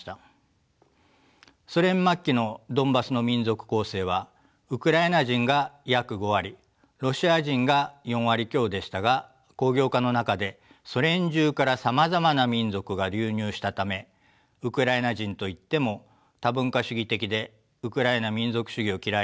ソ連末期のドンバスの民族構成はウクライナ人が約５割ロシア人が４割強でしたが工業化の中でソ連中からさまざまな民族が流入したためウクライナ人といっても多文化主義的でウクライナ民族主義を嫌い